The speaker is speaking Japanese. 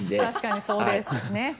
確かにそうですね。